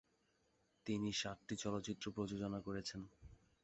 তিনি সাতটি চলচ্চিত্র প্রযোজনা করেছেন।